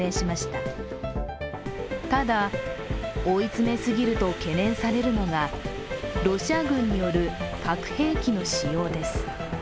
ただ、追い詰めすぎると懸念されるのがロシア軍による核兵器の使用です。